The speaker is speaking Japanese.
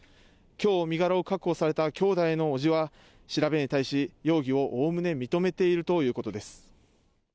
きょう身柄を確保された兄弟の伯父は、調べに対し、容疑をおおむね認めているということです。